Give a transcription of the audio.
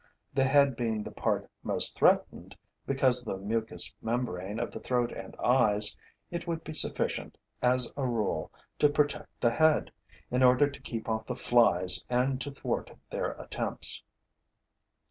The head being the part most threatened, because of the mucus membrane of the throat and eyes, it would be sufficient, as a rule, to protect the head, in order to keep off the Flies and to thwart their attempts.